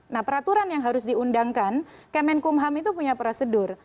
nah peraturan yang harus diundangkan kemenkumham itu punya prosedur